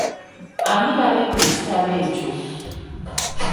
Ani yaleeta ekitabo ekyo?